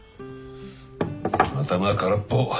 頭空っぽ。